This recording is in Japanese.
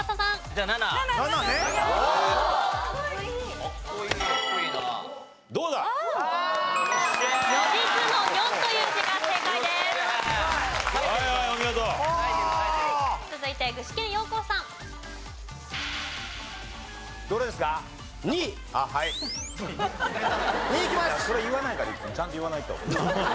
ちゃんと言わないと。